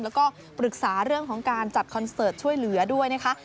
แล้วก็ปรึกษาเรื่องของการจัดคอนเสิร์ตช่วยเหลือด้วยนะคะ